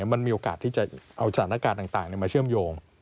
มันมีโอกาสที่จะเอาสถานการณ์ต่างมาเชื่อมโยง